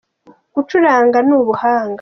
gucuranga n'ubuhanga.